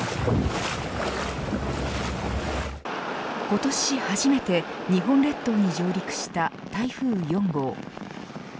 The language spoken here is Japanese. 今年初めて日本列島に上陸した台風４号。